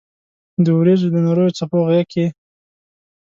د اوریځو د نریو څپو غېږ کې